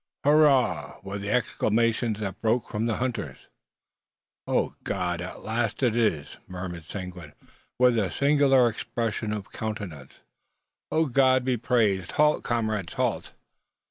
"Hurrah!" were the exclamations that broke from the hunters. "Oh, God! at last it is!" muttered Seguin, with a singular expression of countenance. "Oh, God be praised! Halt, comrades! halt!"